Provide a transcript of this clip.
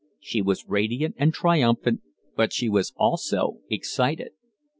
She was radiant and triumphant, but she was also excited.